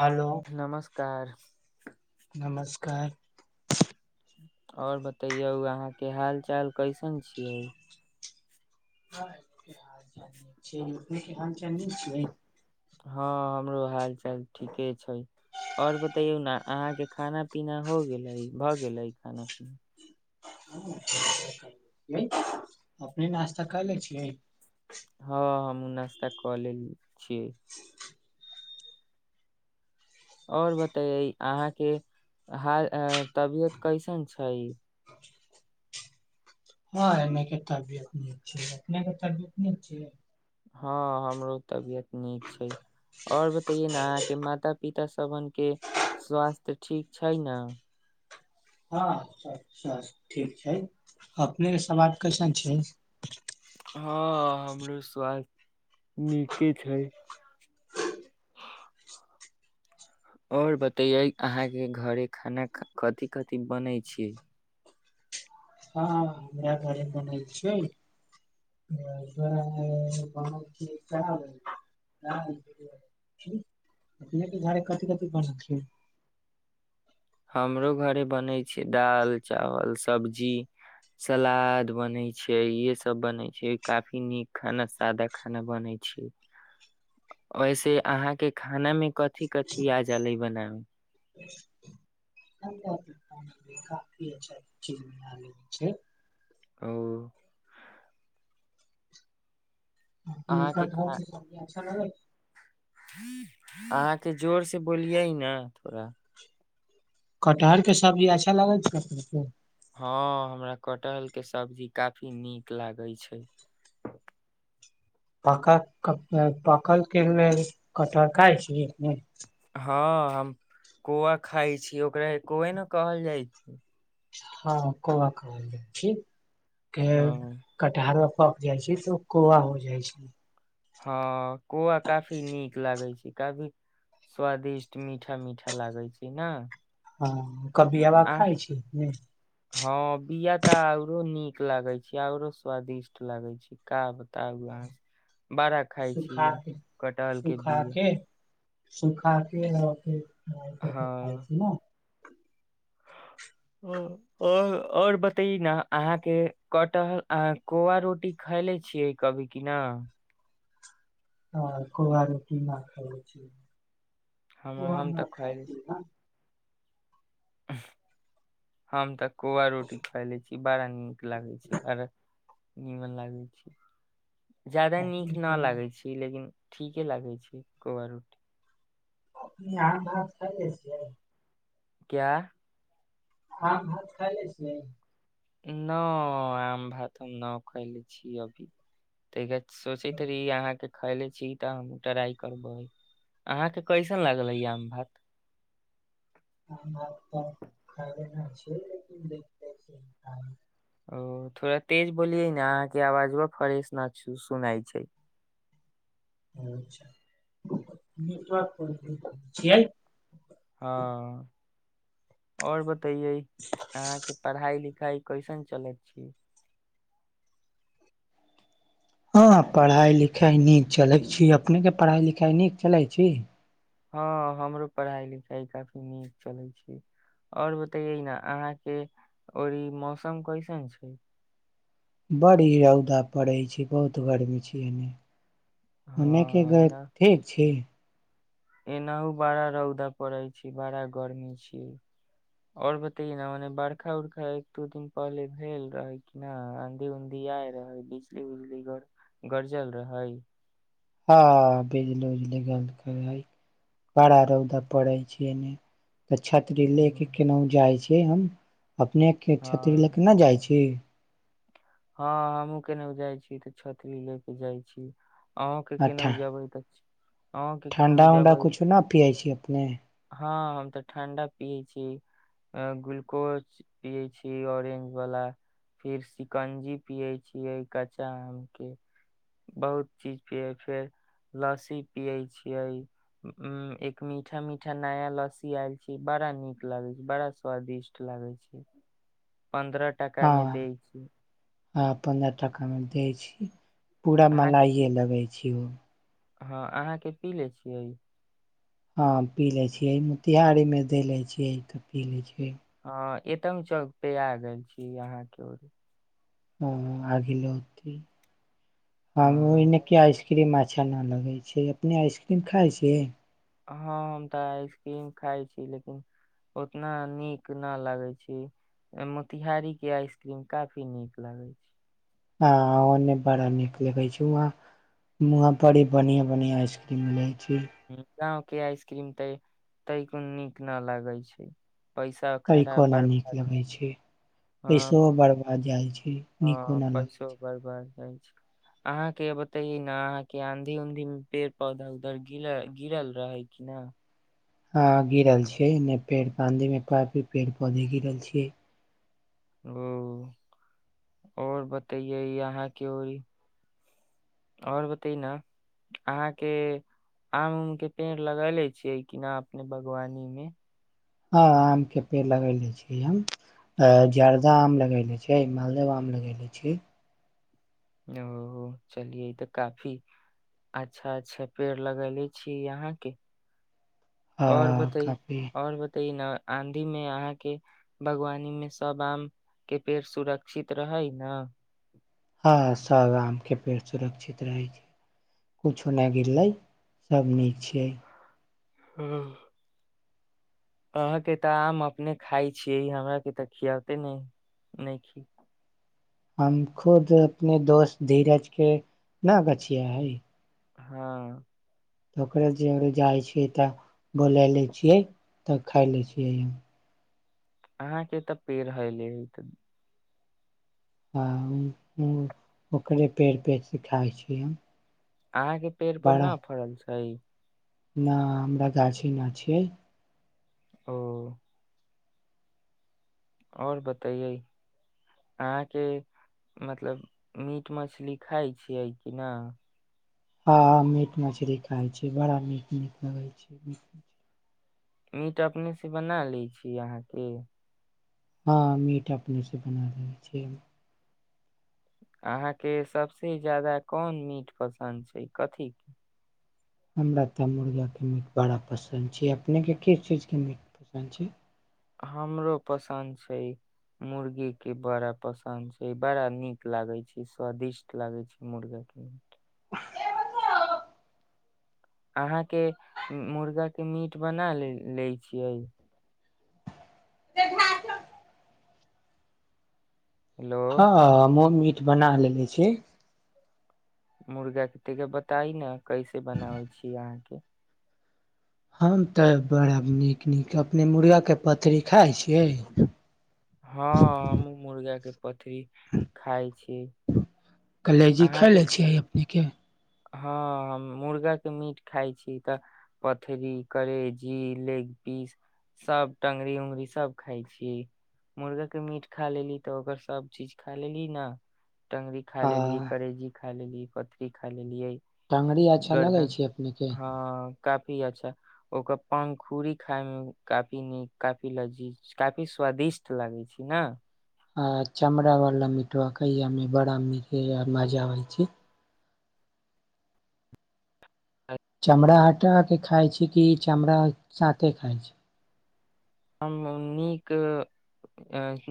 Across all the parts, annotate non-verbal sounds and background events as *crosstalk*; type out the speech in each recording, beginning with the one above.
Hello नमस्कार नमस् *unintelligible* आओर बतैयौ अहाँके हाल चाल कैसन छियै? *unintelligible* *unintelligible* *unintelligible* हँ हमरो हाल चाल ठीके छैय आओर बतैयौ ने अहाँके खाना पीना हो गेलै भऽ गेलै खाना पीना? अपने नास्ता करले छियै? हँ नास्ता क लेली। छी आओर बतई अहाँके हाल तबियत कैसन छैय? *unintelligible* हँ हमरो तबियत नीक छैय आओर बतैयए ने अहाँके माता पिता सभनके स्वास्थ्य ठीक छैय ने? हँ ठीक छैय, अपने *unintelligible* कैसन छैय? हँ हमरो स्वास्थ नीके छैय। आओर बतैयै अहाँके घरे खाना कथि कथि बनै छैय? हँ हमरा घर बनै छ कथि क कर हमरो घरे बनैत छै दाल चावल सब्जी सलाद बनै छै इहे सब बनै छै काफी नीक खाना सादा खाना बनै छै वैसे अहाँके खाना मे क थी कथी *unintelligible* बनाब। *inaudible* *unintelligible* *unintelligible* अहाँके खा *unintelligible* अहाँके जोरसँ बोलियै ने थोड़ा कटहरके सब्जी अच्छा लागै छै कह हँ हमरा कटहलके सब्जी काफी नीक लागै छै पक पकल कने कटर कै छै हँ हम कौआ खाइ छी ओकरा कोौे ने कहल जाइ छै हँ क कह जा छी के हँ कटिहहार पक जाइ छै तऽ कौआ हो जाइ छै हँ कौआ काफी नीक लागै छै काफी स्वादिष्ट मीठा मीठा लागै छै ने हँ कभी हबा आ खाइ छै कुता औरो नीक लागे छी औरो स्वादिष्ट लागे छी क तबहाँ बड़ा खाइ छी सुखा य के कटहलके बी सुखा के सुखा क भ सब त खइ छी ने ह ओर आओर बतय ने अहाँके कटहल अहाँ कौआ रोटी खयले छियै कभी कि न ह कु आरूटी न खै छै हम ओ हम तऽ खाय खैले छी ने हम हम तक कौआ रोटी खुा ले छी बड़ा नीक लागै छै बड़ा निीमन लागै छै ज्यादा नीक अपने न तऽ लागैत छी लेकिन ठीके लागै छी कोब रुटी आम खे छिय क्य आ भात खइ ले छ भ न आम भात हम न खयले छीय अभी त सोचैती अहाँके खैले छी तऽ हम ट्राई करबै अहाँके कैसन लागले आम भात ह भात तऽ ख *unintelligible* ओ थोड़ा तेज बोलिये ने अहाँके आवाज फ्रेश न सुनाइ छै *inaudible* आओर बता अहाँ के पढ़ाई लिख गाय कैसन चलै छी हँ पढ़ाइ लिखाइ नीक चलैत छी अपनेके पढ़ाइ लिखाइ नीक चलैत छी हँ हमरो पढ़ाइ लिखाइ काफी नीक चलै छै आओर बतैयै ने अहाँके री मौसम कैसन छै बड़ी रौदा पड़ै छै बहुत गर्मी छी एन्न ओनेके हँ ग एना ठीक छी एनाहु बड़ा रौदा पड़ै छै बड़ा गर्मी छीिय आओर बतै न मने बरखा उरखा एक दू दिन पहिले भेल रहे कि न आंधी उऊंधी आय रहे बिजली उजली गर गर्जल रहै हँ भजल उजल ग कर भड़ा रौदा पड़ै छै तऽ छात्री ले के हँ केनाहु जाय छै के हम अपनेके क्षति लऽ क नहि जाइत छी हँ हमहूँ केने जाइ छी तऽ छती ले के जाइ छी अहूं के केनाहु जेबै तऽ अहूँ के ठण्डा केनाहु उऊण्डा जेबै कुछु न पियै छी अपने हँ हम ते ठं्डा पिये छी ग्लूकोज पिये छी ऑरेंज वाला फिर स कंजी पिये छियै कच्चा आम के बहुत चीज पिय फेर लस्सी पियै छियै एक मीठा मीठा नया लस्सी आयल छी बड़ा नीक लागे छै बड़ा स्वादिष्ट लागे छै पन्द्रह हँ टाकामे द छी हँ पन्द्रह टाकामे दै छी पूरा अहाँके मलाइए की लगै छियौ हँ अहाँके पी ले छियै हँ पी ले छियै मोतिहारी मे द ले छियै तऽ पी ले छीियै हँ एतम चौक पे आ गेल छी अहाँके र ह आग ल होत हम ओ हँ नकी आइसक्रीम अच्छा नहि लगै छै अपने आइसक्रीम खाइ छियै हँ हम तऽ आइसक्रीम खाइत छी लेकिन उतना नीक नहि लगैत छै मोतिहारीके आइसक्रीम काफी नीक लगैत छै बड़ा नीक लिखै छी वहाँ वाँ बड़ी बढ़िआँ बढ़िआँ आइसक्रीम मिलै ीक गांव के आइसक्रीम त ताकन नीक न लागे छै पैसा खराब तरिकोना नीक बर्बाद लगे छै हँ पैसो बरब आ जाइ छै नीको हँ न लगे पैसो छै बरबर अहाँके बतैये ने अहाँके आंधी उधी मे पेड़ पौधा उधरि गिरल रहे कि न ह गिरल छियै पेड़ पधे मे की पेड़ पौधे गिरल छीियै ओ आओर बतैयै अहाँके आओर बतै न अहाँके आम उम के पेड़ लगले छियै किना अपने बागवानी मे हँ आमके पेड़ लगयनेे छीियै हम जर्दा आम लगयने छियै मालदे आम लगयनेे छीै ओ चलिये ई तऽ काफी अच्छा अच्छा पेड़ लगले छीियै यहाँके हँ कफी और आंधी मे अहाँ के बागवानी मे सब आम के पेड़ सुरक्षित रहै ने हँ सभ आमके पेड़ सुरक्षित रहै छै किछो नहि गिरलै सभ नीक छियै हँ अहाँके तऽ आम अपने खाइ छियै हमराके तऽ खियाबते नहि नहि खी हम खुद अपने दोस्त धीरज के ना बचिया है हँ ओकरो जे जाइ छियै तऽ बोलय लै छियै तऽ खा लै छियै अहाँके तऽ पेड़ हले आ ओकरे पेड़ पेड़ सीखाइ छिय हम अहााँ के पेड़ पर न फड़ल छै न हमरा गाछी न छ ओ आओर बतैयै अहाँके मतलब मीट मछली खाइ छियै कि नहि हँ ह मीट मछरी खाइ छै बड़ा मीट नीक लगै छै मीट मछली मीट अपनेसँ बना लैत छी अहाँके हँ मीट अपनेसँ बना लै छिय अहाँके सभस ज्यादा कोन मीट पसन्द छै कथीके हमरा तऽ मुर्गाके मीट बड़ा पसन्द छै अपनेके किस चीजके मीट पसन्द छै हमरो पसन्द छै मुर्गे के बड़ा पसन्द छै बड़ा नीक लागैत छै स्वादिष्ट लागैत छै मुर्गाे अहाँके मुर्गाके मीट बना ले लैत छियै घ हेलो हँ म बना लेे छी मुर्गा खेति ब तइ ने कैसे बनाबै छीयै अहाँ के हम तऽ बड़ा नीक नीक अपने मुर्गाके पथरी खाइ छियै हँ हमू मुर्गा के पथरी खााय छी अहाँके नीक हँ हम मुर्गाके मीट खाइ छी तऽ पथरी करेजी लेग पीस सभ टङंगरी उङ्गरी सभ खाइ छी मुर्गाके मीट खा लेली तऽ ओकर सभचीज खा लेली ने टंगरी खाइ हाँ करेजी खाइ लेल पत्री ख लेल लियै टंगरी अच्छा लगे गर्दन छै अपने के हँ काफी अच्छा ओ क पंखुरुरी खााय मे काफी नीक काफी लजीज काफी स्वादिष्ट लागै छै ने आ चमड़ा वला मीठा कहिमे बड़ाी मजा होइ छै चमड़ा हटा के खााय छै कि चमड़ा साे खााय छै हम नीक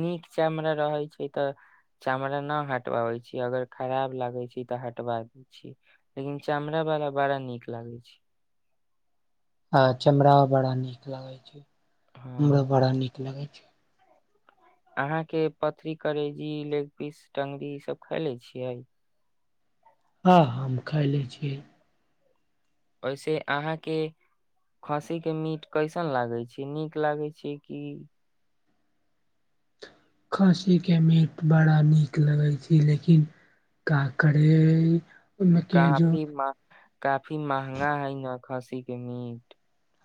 नीक चमड़ा रहैत छै तऽ चमड़ा नहि हटवाबैत छी अगर खराब लागै छै तऽ हटवा दै छी लेकिन चमड़ावला बड़ा नीक लागै छै हँ चमड़ा बड़ा नीक लागै छै हमराो हँ बड़ा नीक लगैत *inaudible* अहाँके पथरी करेजी लेग पीस टंगरी ईसभ खाय ले छियै हँ ह हम खाय ले छियै ओहिसे अहाँके खस्सीके मीट कैसन लागै छै नीक लागै छै कि खाँसी के मट बड़ा नीक लगै छै लेकिन काके ओहिमे क जो काफी मा- काफी महंगा है न खस्सी के मीट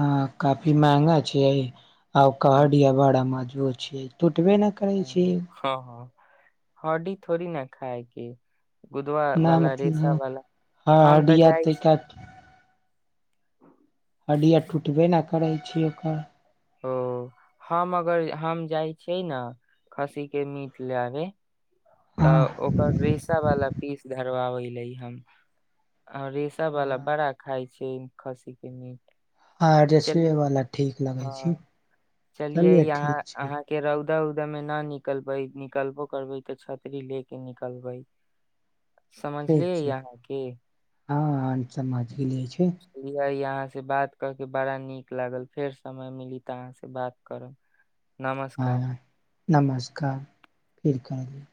हँ काफी महंगा छै आउ हँ कडिया वड़ा म ज छ तू हटबे नहि करै छी हर्दी थोड़ी न खाय कि न मतलब ह हम तऽ हडिया जाइ छी त क हडीिया टुटब ने करै छी ओकर ओ हम अगर हम जाइ छियै ने खस्सी के मीट लेबे हाँ तऽ ओकर रेसा वाला पीस धरबाबै ले हम आ रिस बला बड़ा खाय छै चन खासी के नीट हँजस्वी वाला ठीक लगे हँ छै चलिे चलिये यहाँ ठीक छै। अहाँके र उौदा उदा में ना निकलबै निकलबो करबै तऽ छतरी ले के निकलबै ठीक समझलियै छै यहाँ के हँ अन त मछ लै छै चलिये यहाँ से बात कऽ के बड़ा नीक लागल फेर समय मिली तऽ अहाँ से बात करू हँ नमस्कार फिर करलिय